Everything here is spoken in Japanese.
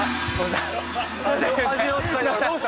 ・どうした？